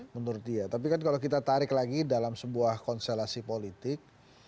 menurut dia tapi kan kalau kita tarik lagi dalam sebuah konstelasi politik